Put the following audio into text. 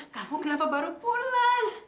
kamu kenapa baru pulang